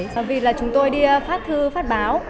do vì chúng tôi đi phát thư phát báo